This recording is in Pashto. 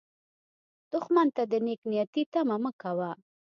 دښمن ته د نېک نیتي تمه مه کوه